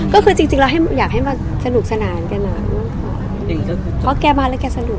ก็คือจริงจริงแล้วให้อยากให้มาสนุกสนานแกหน่อยเพราะแกมาแล้วแกสนุก